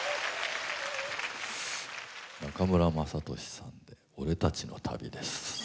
中村雅俊さんで「俺たちの旅」です。